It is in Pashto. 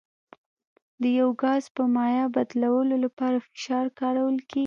د یو ګاز په مایع بدلولو لپاره فشار کارول کیږي.